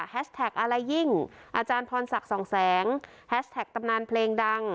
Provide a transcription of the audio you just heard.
แท็กอะไรยิ่งอาจารย์พรศักดิ์สองแสงแฮชแท็กตำนานเพลงดัง